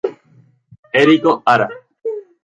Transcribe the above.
Eriko Hara